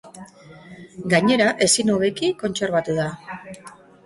Gainera, ezin hobeki kontserbatu da.